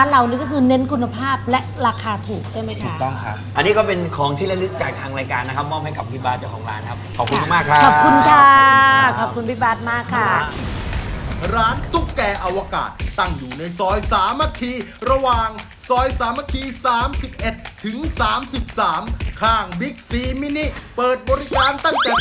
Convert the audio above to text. แล้วก่อนที่เราจะกินเมนูสุดท้ายทานเมนูสุดท้ายนะครับ